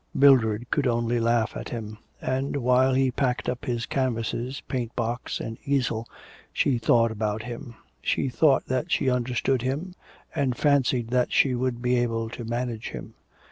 Mildred could only laugh at him; and, while he packed up his canvases, paint box, and easel, she thought about him. She thought that she understood him, and fancied that she would be able to manage him.